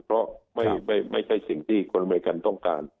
เพราะไม่ใช่สิ่งที่คนอเมริกันต้องการ